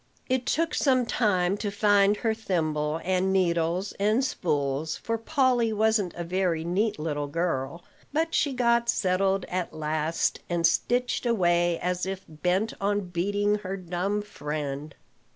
It took some time to find her thimble and needles and spools, for Polly wasn't a very neat little girl; but she got settled at last, and stitched away as if bent on beating her dumb friend.